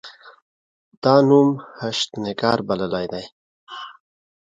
دا نوم هشتنګار بللی دی.